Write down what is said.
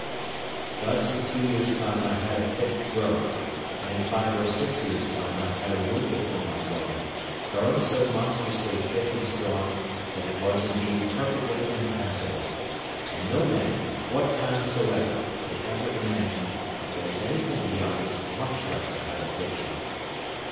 Thus in two years' time I had a thick grove; and in five or six years' time I had a wood before my dwelling, growing so monstrously thick and strong that it was indeed perfectly impassable: and no men, of what kind soever, could ever imagine that there was anything beyond it, much less a habitation.